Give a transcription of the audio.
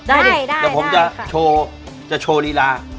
ได้ค่ะแต่ผมจะโชว์จะโชว์รีลา